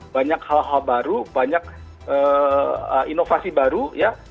banyak hal hal baru banyak inovasi baru ya